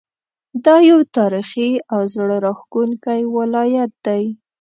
دا یو تاریخي او زړه راښکونکی ولایت دی.